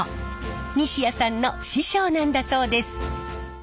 西谷さんの師匠なんだそうです。